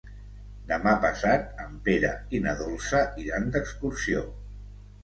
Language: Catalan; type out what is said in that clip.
Demà passat en Pere i na Dolça iran d'excursió.